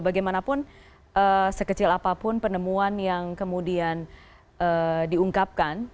bagaimanapun sekecil apapun penemuan yang kemudian diungkapkan